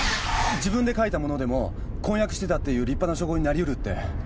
自分で書いたものでも婚約してたっていう立派な証拠になりうるって。